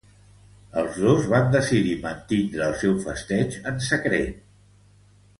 Els dos van decidir mantindre el seu festeig en secret.